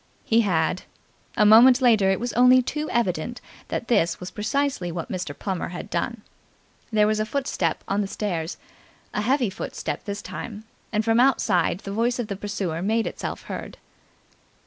.." He had. A moment later it was only too evident that this was precisely what Mr. Plummer had done. There was a footstep on the stairs, a heavy footstep this time, and from outside the voice of the pursuer made itself heard.